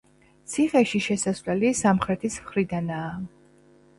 ციხეში შესასვლელი სამხრეთის მხრიდანაა.